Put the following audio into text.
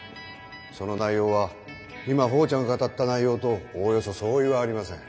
その内容は今ほーちゃんが語った内容とおおよそ相違はありません。